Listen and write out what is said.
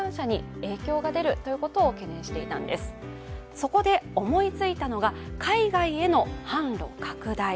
そこで思いついたのが、海外への販路拡大。